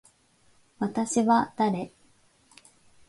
私は誰。